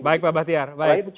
baik pak bahtiar